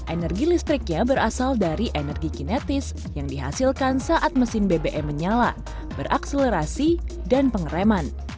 energi listriknya berasal dari energi kinetis yang dihasilkan saat mesin bbm menyala berakselerasi dan pengereman